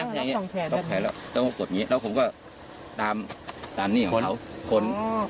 ล็อคสองแขนล็อคแขนแล้วต้องกดอย่างนี้แล้วผมก็ตามนี่ของเขา